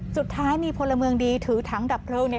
สุดท้ายมีพลเมืองดีถือถังดับเพลิงเนี่ย